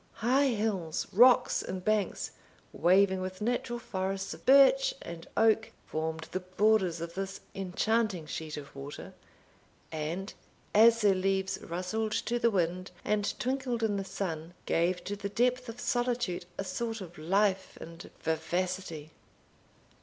High hills, rocks, and banks, waving with natural forests of birch and oak, formed the borders of this enchanting sheet of water; and, as their leaves rustled to the wind and twinkled in the sun, gave to the depth of solitude a sort of life and vivacity.